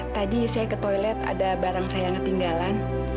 tadi saya ke toilet ada barang saya yang ketinggalan